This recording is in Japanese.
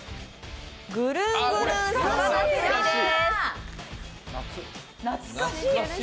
ぐるんぐるんさかなつりです。